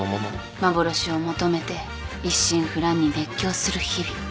幻を求めて一心不乱に熱狂する日々。